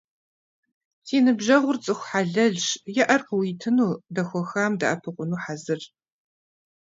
Си ныбжьэгъур цӏыху хьэлэлщ - иӀэр къуитыну, дэхуэхам дэӀэпыкъуну хьэзырщ.